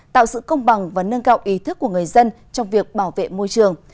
tạo sự công bằng và nâng cao ý thức của người dân trong việc bảo vệ môi trường